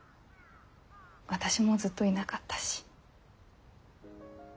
私もずっといなかったし。